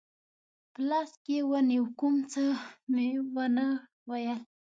په لاس کې ونیو، کوم څه مې و نه ویل.